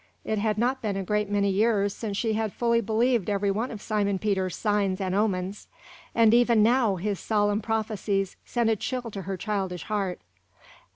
It had not been a great many years since she had fully believed every one of Simon Peter's signs and omens; and even now, his solemn prophecies sent a chill to her childish heart.